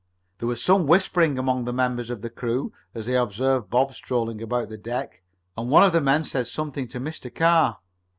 There was some whispering among members of the crew as they observed Bob strolling about the deck, and one of the men said something to Mr. Carr.